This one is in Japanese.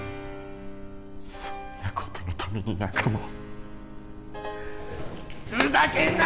そんなことのために仲間をふざけんな